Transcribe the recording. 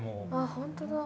本当だ。